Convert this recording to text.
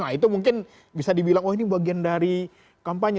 nah itu mungkin bisa dibilang oh ini bagian dari kampanye